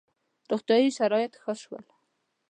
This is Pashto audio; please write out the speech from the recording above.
• روغتیايي شرایط ښه شول.